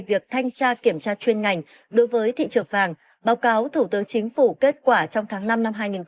việc thanh tra kiểm tra chuyên ngành đối với thị trường vàng báo cáo thủ tướng chính phủ kết quả trong tháng năm năm hai nghìn hai mươi